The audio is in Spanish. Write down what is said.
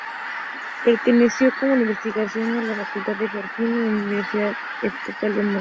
Perteneció como investigador a la "Facultad de Geología", de la Universidad Estatal de Moscú.